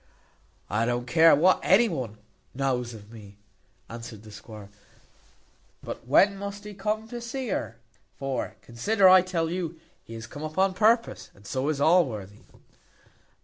"I don't care what anybody knows of me," answered the squire; "but when must he come to see her? for, consider, I tell you, he is come up on purpose, and so is Allworthy."